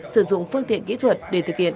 sử dụng phương tiện kỹ thuật để thực hiện